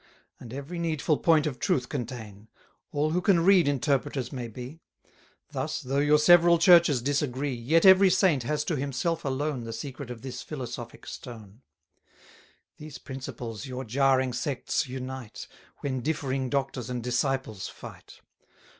And every needful point of truth contain: All who can read interpreters may be: 110 Thus, though your several Churches disagree, Yet every saint has to himself alone The secret of this philosophic stone. These principles your jarring sects unite, When differing doctors and disciples fight.